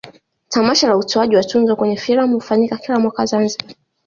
tamasha la utoaji wa tuzo kwenye filamu hufanyika kila mwaka zanzibar